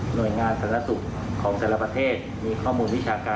โดยงานสารสุขของแต่ละประเทศมีข้อมูลวิชาการ